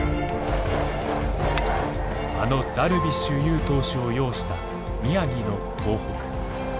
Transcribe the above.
あのダルビッシュ有投手を擁した宮城の東北。